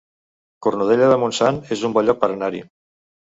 Cornudella de Montsant es un bon lloc per anar-hi